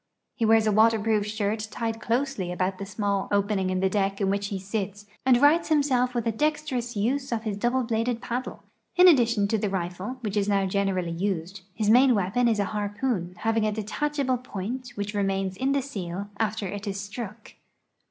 He wears a waterproof shirt tied closely altout the small 106 A SUMMER VOYAGE TO THE ARCTIC opening in the deck in which he sits, and rights himself with a dexterous use of his douhle bladed paddle. In addition to the rifle, which is now generally used, his main weapon is a harpoon having a detachable point which remains in the seal after it is struck.